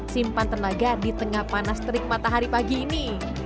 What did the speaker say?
simpan tenaga di tengah panas terik matahari pagi ini